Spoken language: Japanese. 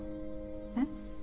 えっ？